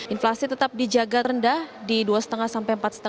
inflasi tetap dijaga rendah di dua lima persen